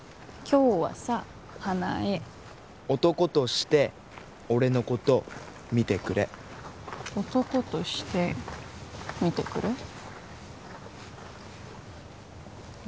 今日はさ花枝男として俺のこと見てくれ男として見てくれ？